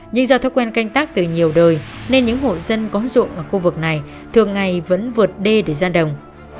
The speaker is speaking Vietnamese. nhưng do thói quen canh tác từ nhiều đời nên những hộ dân có ruộng ở khu vực này thường ngày vẫn vượt đê để ra đồng